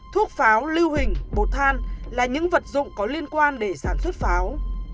thuốc pháo lưu hình bột than là những vật dụng có liên quan để sản xuất pháo